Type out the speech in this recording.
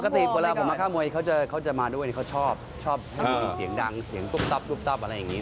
ปกติเวลาผมมาค่ามวยเขาจะมาด้วยเขาชอบชอบให้คนเสียงดังเสียงตุ๊บตับตุ๊บตับอะไรอย่างนี้